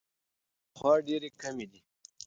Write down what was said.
اوبه له پخوا ډېرې کمې دي.